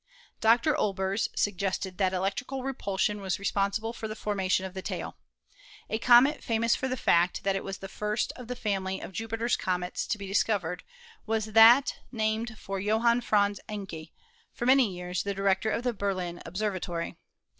Dr. Olbers suggested that electrical repulsion was responsible for the formation of the tail. A comet famous for the fact that it was the first of the family of Jupiter's comets to be discovered was that named for Johann Franz Encke, for many years 236 ASTRONOMY director of the Berlin Observatory.